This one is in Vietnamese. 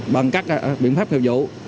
bằng các biện pháp nghiệp dụ